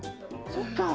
そっか。